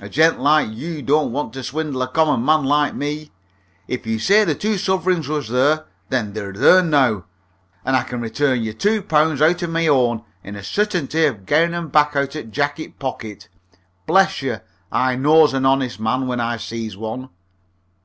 A gent like you don't want to swindle a common man like me. If you say the two suvreigns was there, then they're there now, and I can return yer two pound out o' my own, in a suttunty of gettin' 'em back out o' the jacket pocket. Bless yer! I knows an honest man when I sees one."